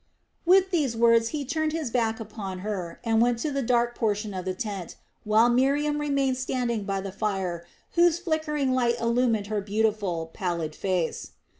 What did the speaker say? With these words he turned his back upon her and went to the dark portion of the tent, while Miriam remained standing by the fire, whose flickering light illumined her beautiful, pallid face.